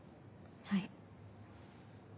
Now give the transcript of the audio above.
はい。